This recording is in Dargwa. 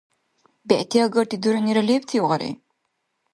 Бегӏти агарти дурхӏнира лебтив гъари?